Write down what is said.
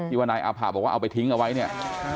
ว่านายอาผะบอกว่าเอาไปทิ้งเอาไว้เนี่ย